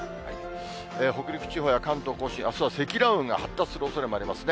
北陸地方や関東甲信、あすは積乱雲が発達するおそれもありますね。